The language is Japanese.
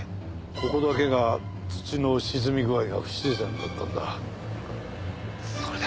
ここだけが土の沈み具合が不自然だったんだ。